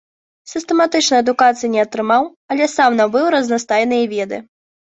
Сістэматычнай адукацыі не атрымаў, але сам набыў разнастайныя веды.